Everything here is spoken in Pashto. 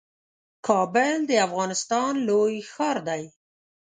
کابل د افغانستان لوی ښار دئ